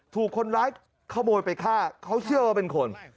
ถูกคนร้ายขโมยไปฆ่าเขาเชื่อว่าเป็นคน